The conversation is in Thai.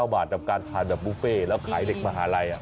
๗๙บาทจากการทานดับบุฟเฟต์แล้วขายเด็กมหาลัย